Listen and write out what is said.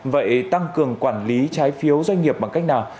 vậy tăng cường quản lý trái phiếu doanh nghiệp bằng cách nào